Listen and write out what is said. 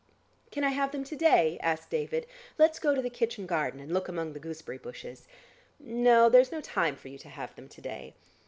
"Can I have them to day?" asked David. "Let's go to the kitchen garden, and look among the gooseberry bushes." "No, there's not time for you to have them to day."